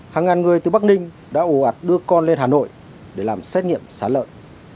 hàng ngàn người từ bắc ninh đã ủ ạt đưa con lên hà nội để làm xét nghiệm sá lợn